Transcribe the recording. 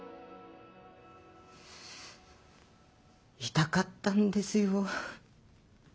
痛かったんですよ。